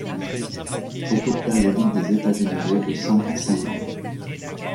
Retour périodique des Etats généraux de cinq en cinq ans.